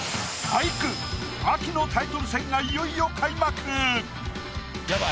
俳句秋のタイトル戦がいよいよ開幕！